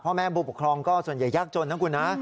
พ่อแม่ผู้ปกครองก็ส่วนใหญ่ยากจนนะคุณนะ